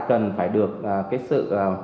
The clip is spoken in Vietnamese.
cần phải được sự